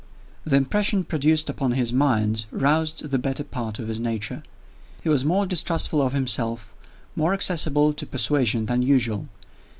The impression produced on his mind roused the better part of his nature. He was more distrustful of himself, more accessible to persuasion than usual.